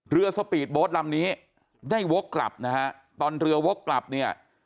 เรือสปีดโบสต์ลำนี้ได้โว๊คกลับนะฮะตอนเรือโว๊คกลับเนี้ย